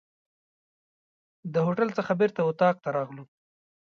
د هوټل څخه بیرته اطاق ته راغلو.